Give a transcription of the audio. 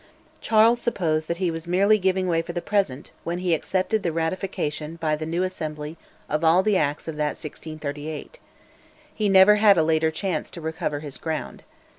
Charles supposed that he was merely "giving way for the present" when he accepted the ratification by the new Assembly of all the Acts of that of 1638. He never had a later chance to recover his ground.